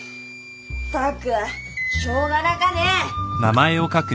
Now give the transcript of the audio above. ったくしょうがなかね。